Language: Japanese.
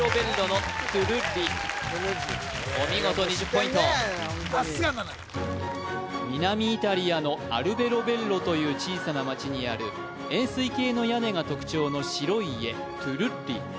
ホントに南イタリアのアルベロベッロという小さな町にある円錐形の屋根が特徴の白い家トゥルッリ